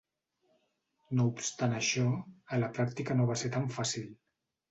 No obstant això, a la pràctica no va ser tan fàcil.